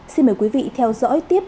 xin mời quý vị theo dõi tiếp